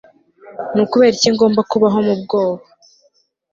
ni ukubera iki ngomba kubaho mu bwoba